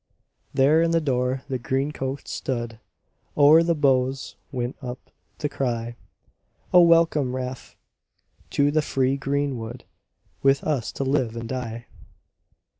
There in the door the green coats stood, O'er the bows went up the cry, "O welcome, Rafe, to the free green wood, With us to live and die."